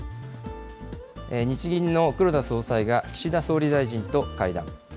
日銀の黒田総裁が岸田総理大臣と会談。